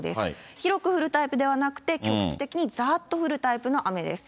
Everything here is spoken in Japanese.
広く降るタイプではなくて、局地的にざーっと降るタイプの雨です。